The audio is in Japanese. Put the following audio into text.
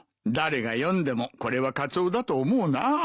誰が読んでもこれはカツオだと思うな。